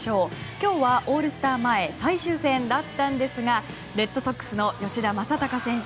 今日はオールスター前最終戦だったんですがレッドソックスの吉田正尚選手